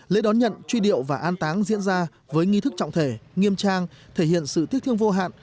lễ đón nhận truy điệu và an táng diễn ra với nghi thức trọng thể nghiêm trang thể hiện sự tiếc thương vô hạn